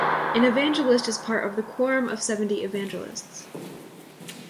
An evangelist is part of the Quorum of Seventy Evangelists.